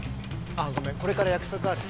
あっごめんこれから約束ある。